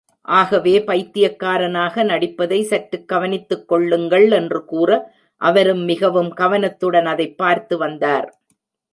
ஆகவே, பைத்தியக்காரனாக நடிப்பதை, சற்றுக் கவனித்துக் கொள்ளுங்கள் என்று கூற, அவரும் மிகவும் கவனத்துடன் அதைப் பார்த்து வந்தார்.